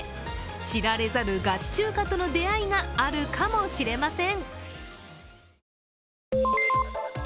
知られざるガチ中華との出会いがあるかもしれません。